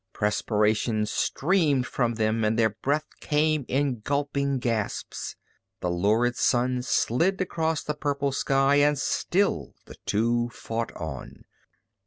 Perspiration streamed from them and their breath came in gulping gasps. The lurid sun slid across the purple sky and still the two fought on.